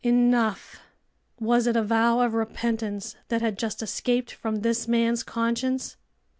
Enough!" Was it a vow of repentance that had just escaped from this man's conscience